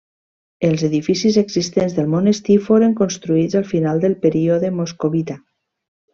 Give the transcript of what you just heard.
Els edificis existents del monestir foren construïts al final del període moscovita.